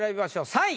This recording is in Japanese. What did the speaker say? ３位。